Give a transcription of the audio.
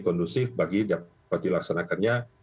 kondusif bagi dilaksanakannya